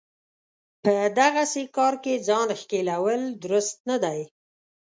په دغسې کار کې ځان ښکېلول درست نه دی.